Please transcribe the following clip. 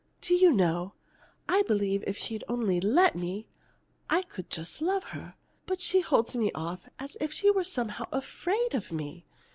Do you know, I believe if she'd only let me, I could just love her, but she holds me off as if she were somehow afraid of me.